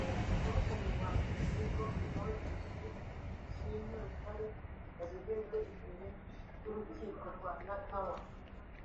kuri uyu wa Mbere nibwo Moses Ishimwe Rutare yagejejwe imbere y’urukiko rwa Nakawa